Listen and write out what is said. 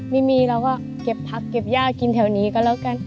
ไม่มีเราก็เก็บผักเก็บย่ากินแถวนี้ก็แล้วกัน